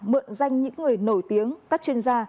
mượn danh những người nổi tiếng các chuyên gia